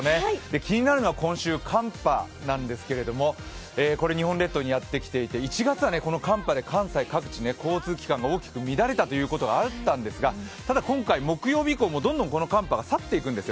気になるのは今週、寒波なんですけども、これ日本列島にやってきていて、１月は、この寒波で、関西交通機関が大きく乱れたということがあったんですがただ、今回木曜日以降、どんどんこの寒波は去って行くんですよ。